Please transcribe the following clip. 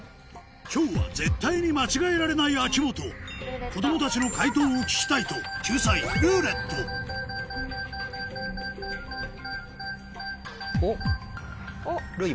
今日は絶対に間違えられない秋元子供たちの解答を聞きたいと救済「ルーレット」るう